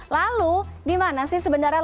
lalu di mana sih sebenarnya letaknya